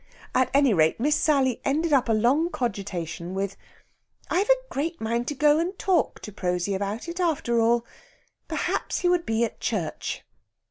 At any rate, Miss Sally ended up a long cogitation with, "I've a great mind to go and talk to Prosy about it, after all! Perhaps he would be at church."